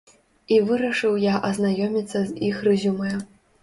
І вырашыў я азнаёміцца з іх рэзюмэ.